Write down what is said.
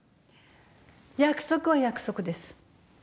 約束は約束です。